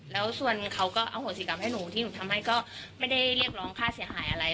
แล้วส่วนเขาก็อโหสิกรรมให้หนูที่หนูทำให้ก็ไม่ได้เรียกร้องค่าเสียหายอะไร